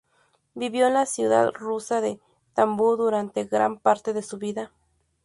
Vivió en la ciudad rusa de Tambov durante gran parte de su vida.